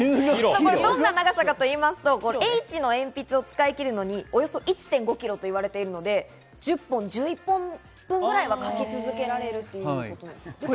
どんな長さかといますと、Ｈの鉛筆を使い切るのにおよそ１．５キロと言われているので、１０本、１１本分ぐらい書き続けられるということです。